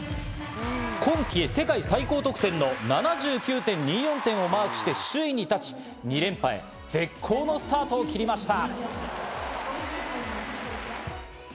今季世界最高得点の７９．２４点をマークして首位に立ち、２連覇へ絶好のスタートを切りました。